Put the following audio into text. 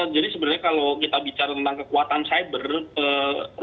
jadi sebenarnya kalau kita bicara tentang kekuatan cyber